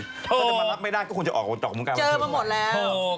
ถ้าจะมารับไม่ได้ก็คุณจะออกจากวงการบันเทิง